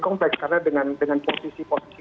kompleks karena dengan posisi posisi